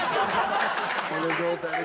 この状態で。